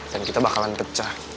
dan kita bakalan pecah